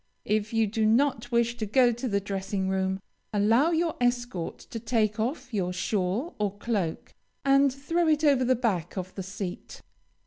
If you do not wish to go to the dressing room, allow your escort to take off your shawl or cloak, and throw it over the back of the seat.